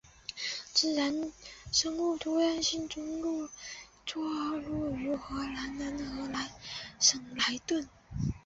自然生物多样性中心座落于荷兰南荷兰省莱顿。